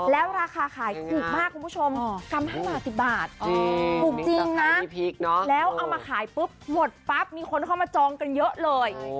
แล้วราคาขายถูกมากคุณผู้ชมกรัม๕บาท๑๐บาทถูกจริงนะแล้วเอามาขายปุ๊บหมดปั๊บมีคนเข้ามาจองกันเยอะเลย